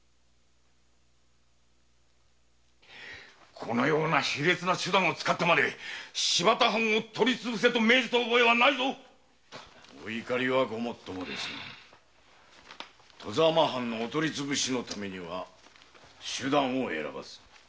このような手段まで使って藩を取りつぶせと命じた覚えはないお怒りはごもっともですが外様藩取りつぶしのためには手段を選ばず。